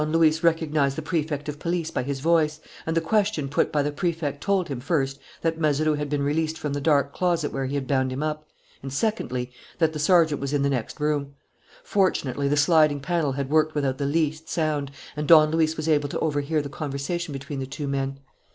Don Luis recognized the Prefect of Police by his voice; and the question put by the Prefect told him, first, that Mazeroux had been released from the dark closet where he had bound him up, and, secondly, that the sergeant was in the next room. Fortunately, the sliding panel had worked without the least sound; and Don Luis was able to overhear the conversation between the two men.